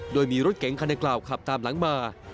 โดยมีรถเก๋งคันดังกล่าวขับตามหลังมา